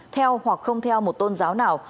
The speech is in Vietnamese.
theo hoặc không theo một tôn giáo nào